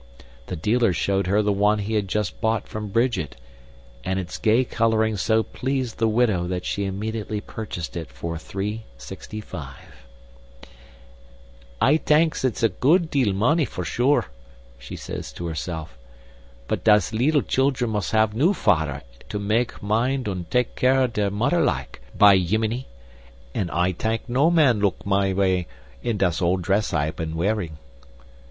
The dealer showed her the one he had just bought from Bridget, and its gay coloring so pleased the widow that she immediately purchased it for $3.65. "Ay tank ets a good deal money, by sure," she said to herself; "but das leedle children mus' have new fadder to mak mind un tak care dere mudder like, by yimminy! An' Ay tank no man look may way in das ole dress I been wearing."